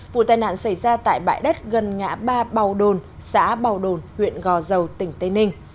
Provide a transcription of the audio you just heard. vụ tai nạn xảy ra tại bãi đất gần ngã ba bào đồn xã bào đồn huyện gò dầu tỉnh tây ninh